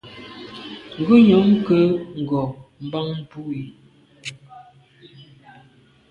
Ngùnyàm kwé ngo’ bàn bu i,